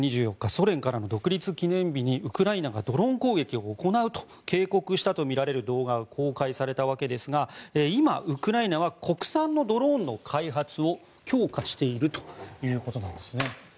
ソ連からの独立記念日にウクライナがドローン攻撃を行うと警告したとみられる動画が公開されたわけですが今、ウクライナは国産のドローンの開発を強化しているということです。